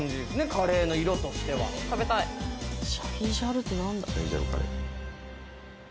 カレーの色としては食べたいシャヒジャルって何だ？